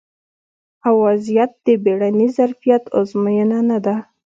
ا وضعیت د بیړني ظرفیت ازموینه نه ده